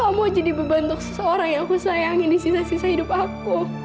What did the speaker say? aku gak mau jadi beban untuk seseorang yang aku sayangi di sisa sisa hidup aku